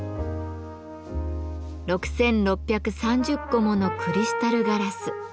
６，６３０個ものクリスタルガラス。